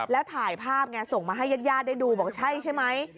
แล้วถ่ายภาพไงส่งมาให้ญาติญาติได้ดูบอกใช่ใช่ไหม